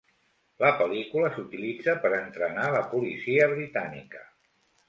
La pel·lícula s"utilitza per entrenar la policia britànica.